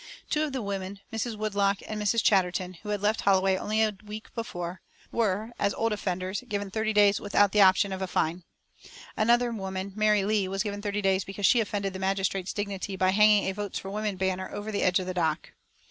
Two of the women, Miss Woodlock and Mrs. Chatterton, who had left Holloway only a week before, were, as "old offenders," given thirty days without the option of a fine. Another woman, Mary Leigh, was given thirty days because she offended the magistrate's dignity by hanging a "Votes for Women" banner over the edge of the dock.